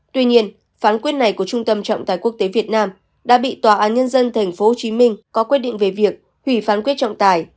tuy nhiên phán quyết này của trung tâm trọng tài quốc tế việt nam đã bị tòa án nhân dân tp hcm có quyết định về việc hủy phán quyết trọng tài